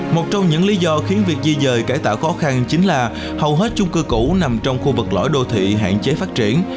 một trong những lý do khiến việc di dời cải tạo khó khăn chính là hầu hết chung cư cũ nằm trong khu vực lõi đô thị hạn chế phát triển